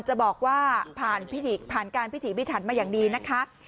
จะบอกว่าผ่านการพิถีพิถันมาอย่างดีนะคะ